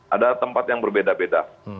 ada tempat yang berbeda beda